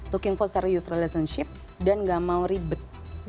yang for serious relationship dan gak mau ribet